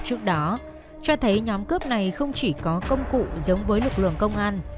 trước đó cho thấy nhóm cướp này không chỉ có công cụ giống với lực lượng công an